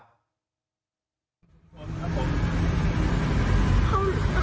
คุณผู้ชมครับผม